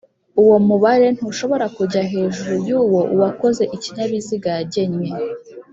uwo mubare ntushobora kujya hejuru y'uwo uwakoze ikinyabiziga yagennye.